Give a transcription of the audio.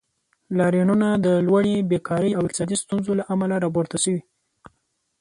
لاریونونه د لوړې بیکارۍ او اقتصادي ستونزو له امله راپورته شوي.